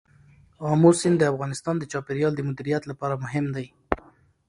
آمو سیند د افغانستان د چاپیریال د مدیریت لپاره مهم دی.